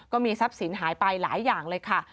ก็มีทรัพย์สินหายไปหลายอย่างเลยค่ะ